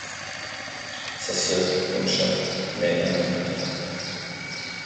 Sa sœur Concha naît un an plus tard.